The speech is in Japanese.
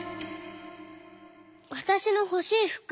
「わたしのほしいふく。